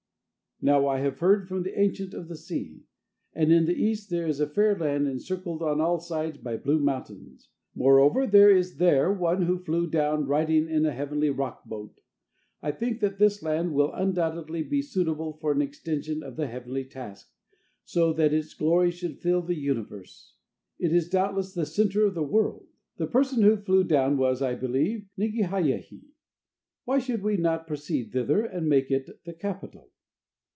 "Now I have heard from the Ancient of the Sea, that in the East there is a fair land encircled on all sides by blue mountains. Moreover, there is there one who flew down riding in a heavenly rock boat. I think that this land will undoubtedly be suitable for the extension of the heavenly task, so that its glory should fill the universe. It is doubtless the centre of the world. The person who flew clown was, I believe, Nigihaya hi. Why should we not proceed thither, and make it the capital?"